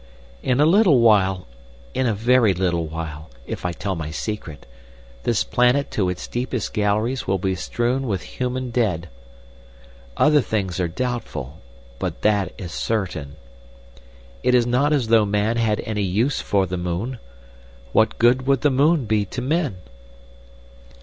In a little while, in a very little while, if I tell my secret, this planet to its deepest galleries will be strewn with human dead. Other things are doubtful, but that is certain. It is not as though man had any use for the moon. What good would the moon be to men?